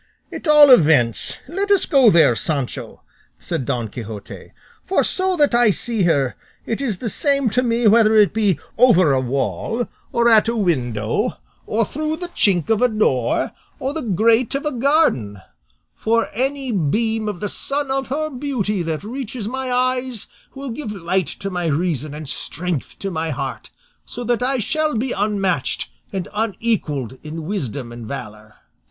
"At all events, let us go there, Sancho," said Don Quixote; "for, so that I see her, it is the same to me whether it be over a wall, or at a window, or through the chink of a door, or the grate of a garden; for any beam of the sun of her beauty that reaches my eyes will give light to my reason and strength to my heart, so that I shall be unmatched and unequalled in wisdom and valour."